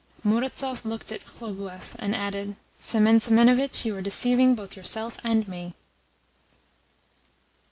Murazov looked at Khlobuev, and added: "Semen Semenovitch, you are deceiving both yourself and me."